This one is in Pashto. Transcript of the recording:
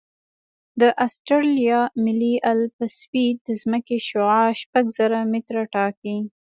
د اسټرالیا ملي الپسویډ د ځمکې شعاع شپږ زره متره ټاکي